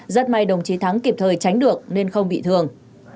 rất may đồng chí thắng kịp thời tránh được nên không bị thương